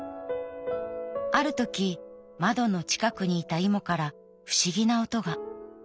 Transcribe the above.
あるとき窓の近くにいたイモから不思議な音が。